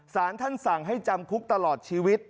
สารท่านสั่งให้จำคุกตลอดชีวิต